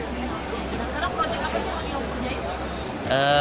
sekarang proyek apa sih yang lo kerjain